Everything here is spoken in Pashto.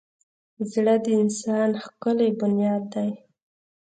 زړه د انسان ښکلی بنیاد دی.